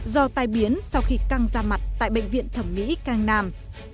do tai biến sau khi căng ra mặt tại bệnh viện thẩm mỹ cang nam